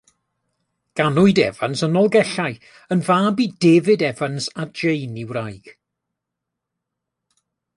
Ganwyd Evans yn Nolgellau, yn fab i David Evans, a Jane ei wraig.